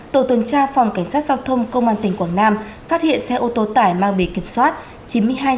tổ tuần tra phòng cảnh sát giao thông công an tỉnh quảng nam phát hiện xe ô tô tải mang bị kiểm soát chín mươi hai c ba nghìn bốn trăm linh hai